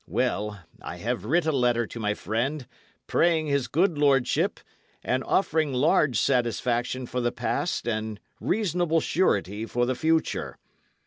Well, I have writ a letter to my friend, praying his good lordship, and offering large satisfaction for the past and reasonable surety for the future.